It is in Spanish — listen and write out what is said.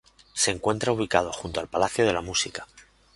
Se encuentra ubicado junto al Palacio de la Música.